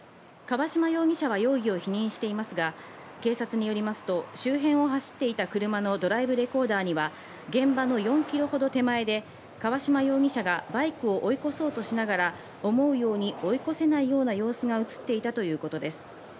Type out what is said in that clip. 川島容疑者は容疑を否認していますが、警察によりますと、周辺を走っていた車のドライブレコーダーには現場の４キロほど手前で川島容疑者がバイクを追い越そうとしながら思うように追い越せないような様子が映っていたということです。